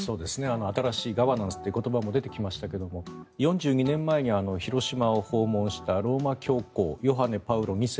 新しいガバナンスという言葉も出てきましたが４２年前に広島を訪問したローマ教皇、ヨハネ・パウロ２世